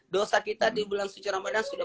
dosa kita di bulan suci ramadhan sudah